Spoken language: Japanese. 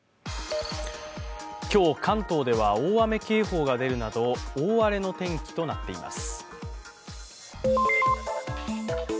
今日、関東では大雨警報が出るなど大荒れの天気となっています。